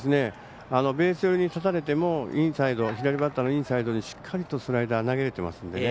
ベース寄りに立たれても左バッターのインサイドにしっかりとスライダーを投げれてますのでね。